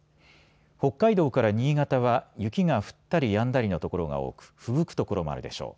北海道から新潟は雪が降ったりやんだりの所が多く、ふぶく所もあるでしょう。